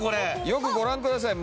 よくご覧ください。